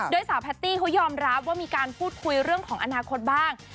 โดยสาวแพตตี้เขายอมรับว่ามีการพูดคุยเรื่องของอนาคตบ้าง